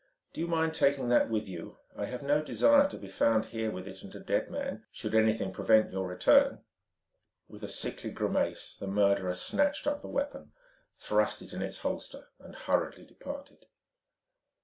"Do you mind taking that with you? I have no desire to be found here with it and a dead man, should anything prevent your return." With a sickly grimace the murderer snatched up the weapon, thrust it in its holster, and hurriedly departed.